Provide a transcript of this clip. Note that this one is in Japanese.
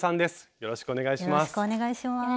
よろしくお願いします。